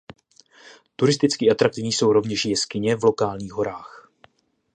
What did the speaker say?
Turisticky atraktivní jsou rovněž jeskyně v lokálních horách.